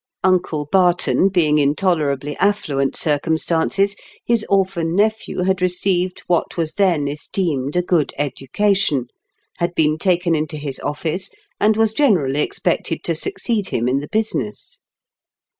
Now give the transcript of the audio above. Uncle Barton being in tolerably affluent circumstances, his orphan nephew had received what was then esteemed a good education, had been taken into his office, and was generally expected to succeed him in the business.